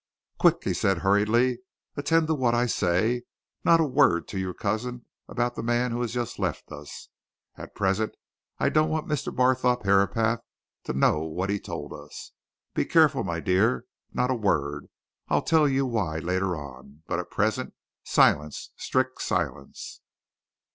"Quick!" he said hurriedly. "Attend to what I say! Not a word to your cousin about the man who has just left us. At present I don't want Mr. Barthorpe Herapath to know what he told us. Be careful, my dear not a word! I'll tell you why later on but at present, silence strict silence!"